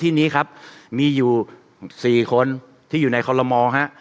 ที่นี้ครับมีอยู่๔คนที่อยู่ในคอลโลมอลฮะ